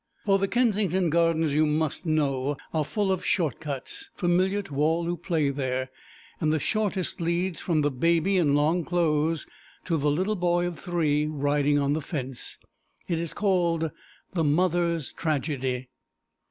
For the Kensington Gardens, you must know, are full of short cuts, familiar to all who play there; and the shortest leads from the baby in long clothes to the little boy of three riding on the fence. It is called the Mother's Tragedy.